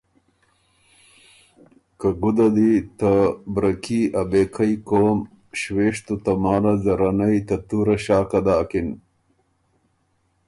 که ګُده دی ته برکي ا بېکئ قوم شوېشتُو تماله ځرنئ ته تُوره ݭاکه داکِن۔